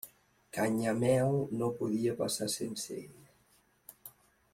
Canyamel no podia passar sense ella.